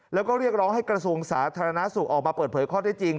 แล้วก็เรียกร้องให้กระทรวงสาธารณสุขออกมาเปิดเผยข้อได้จริง